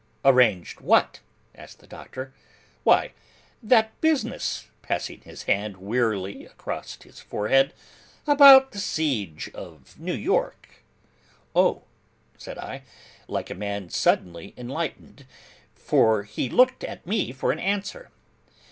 'Arranged what?' asked the Doctor. 'Why, that business,' passing his hand wearily across his forehead, 'about the siege of New York.' 'Oh!' said I, like a man suddenly enlightened. For he looked at me for an answer.